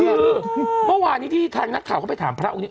คือเมื่อวานนี้ที่ทางนักข่าวก็ไปถามพระองค์นี้